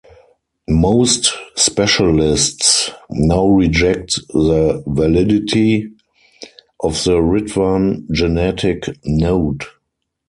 Most specialists now reject the validity of the Ritwan genetic node.